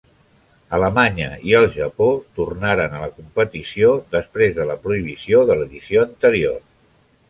Alemanya i el Japó tornaren a la competició després de la prohibició de l'edició anterior.